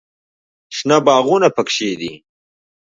شنه باغونه پکښې دي.